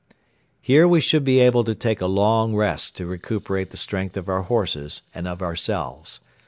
Here we should be able to take a long rest to recuperate the strength of our horses and of ourselves.